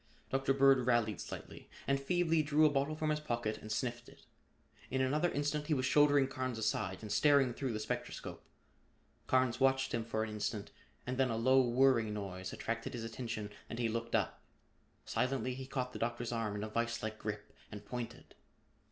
Dr. Bird rallied slightly and feebly drew a bottle from his pocket and sniffed it. In another instant he was shouldering Carnes aside and staring through the spectroscope. Carnes watched him for an instant and then a low whirring noise attracted his attention and he looked up. Silently he caught the Doctor's arm in a viselike grip and pointed.